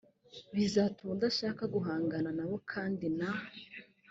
bizatuma udashaka guhangana na bo kandi na